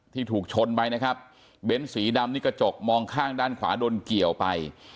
ถูกชนไปนะครับเบ้นสีดำนี่กระจกมองข้างด้านขวาโดนเกี่ยวไป